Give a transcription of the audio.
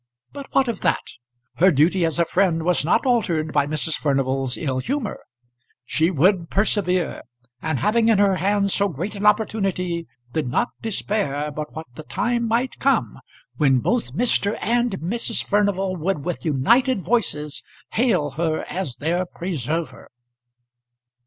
But what of that? Her duty as a friend was not altered by Mrs. Furnival's ill humour. She would persevere, and having in her hands so great an opportunity, did not despair but what the time might come when both Mr. and Mrs. Furnival would with united voices hail her as their preserver.